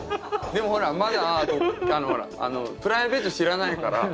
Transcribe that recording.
でもほらまだプライベート知らないから。